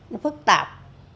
nó phức tạp